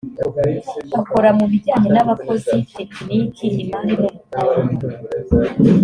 akora mu bijyanye n’abakozi tekiniki imari n’ubukungu